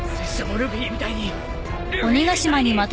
ルフィみたいに！